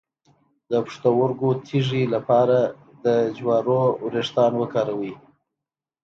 د پښتورګو تیږې لپاره د جوارو ویښتان وکاروئ